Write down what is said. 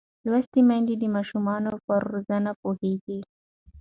لوستې میندې د ماشوم پر روزنه پوهېږي.